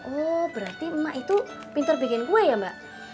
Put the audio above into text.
oh berarti emak itu pinter bikin kue ya mbak